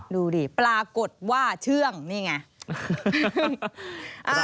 ดูดิปรากฏว่าเชื่องนี่ไง